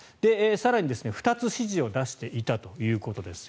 更に、２つ指示を出していたということです。